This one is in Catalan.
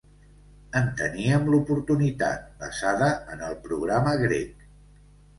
En teníem l’oportunitat, basada en el programa grec.